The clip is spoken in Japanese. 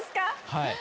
はい。